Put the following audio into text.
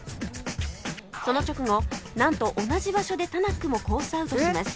その直後なんと同じ場所でタナックもコースアウトします